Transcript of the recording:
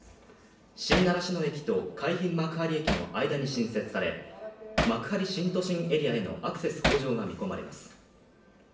新習志野駅と海浜幕張駅の間に新設され幕張新都心エリアへのアクセス向上が見込まれます。